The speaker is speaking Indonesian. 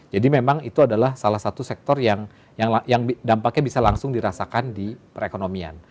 jadi memang itu adalah salah satu sektor yang dampaknya bisa langsung dirasakan di perekonomian